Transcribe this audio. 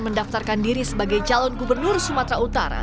mendaftarkan diri sebagai calon gubernur sumatera utara